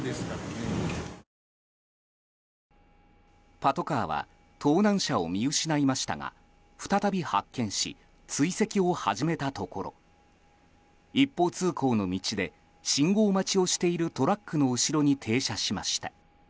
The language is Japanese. パトカーは盗難車を見失いましたが再び発見し追跡を始めたところ一方通行の道で信号待ちをしているトラックの後ろに停車しました。